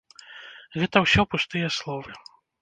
Гэта ўсё пустыя словы.